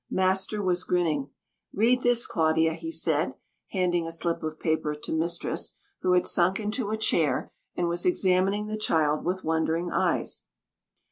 Master was grinning. "Read this, Claudia," he said, handing a slip of paper to mistress who had sunk into a chair, and was examining the child with wondering eyes.